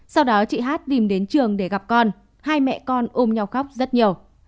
sau đó chị hát tìm đến trường để gặp con hai mẹ con ôm nhau khóc rất nhiều